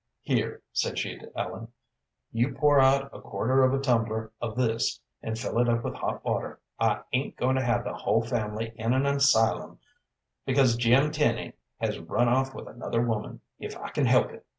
"Here," said she to Ellen, "you pour out a quarter of a tumbler of this, and fill it up with hot water. I ain't goin' to have the whole family in an asylum because Jim Tenny has run off with another woman, if I can help it!"